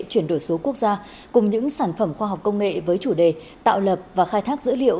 chuyển đổi số quốc gia cùng những sản phẩm khoa học công nghệ với chủ đề tạo lập và khai thác dữ liệu